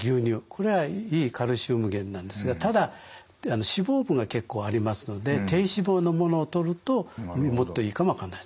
これはいいカルシウム源なんですがただ脂肪分が結構ありますので低脂肪のものをとるともっといいかも分かんないですね。